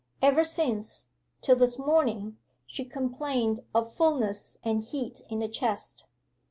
Ever since, till this morning, she complained of fulness and heat in the chest.